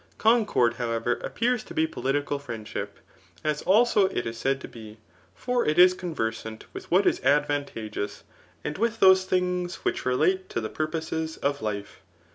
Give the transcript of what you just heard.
Concord, however, aj^pears to be political friendship, as also it is said to be ; for it is conversant with what is advantageous, and with those things which relate to the purposes of life.